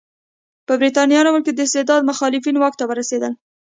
په برېټانیا کې د استبداد مخالفین واک ته ورسېدل.